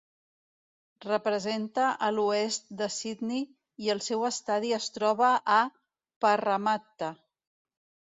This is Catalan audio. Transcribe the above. Representa a l'oest de Sydney i el seu estadi es troba a Parramatta.